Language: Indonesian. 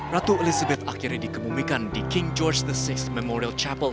ratu elizabeth akhirnya dikemumikan di king george vi memorial chapel